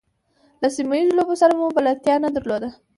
له سیمه ییزو لوبو سره مو بلدتیا نه درلوده.